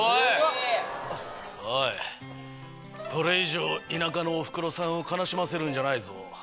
おいこれ以上田舎のおふくろさんを悲しませるんじゃないぞ。